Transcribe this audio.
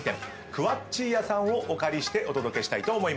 くわっち家さんをお借りしてお届けしたいと思います。